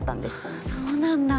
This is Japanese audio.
あっそうなんだ。